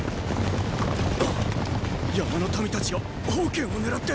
あっ⁉山の民たちが煖を狙って！